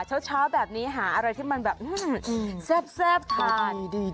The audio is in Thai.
เช้าแบบนี้หาอะไรที่มันแบบแซ่บทาน